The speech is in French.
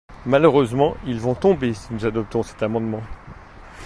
Malheureusement, ils vont tomber si nous adoptons cet amendement.